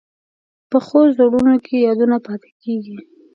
پخو زړونو کې یادونه پاتې کېږي